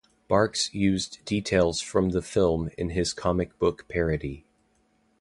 Barks used details from the film in his comic book parody.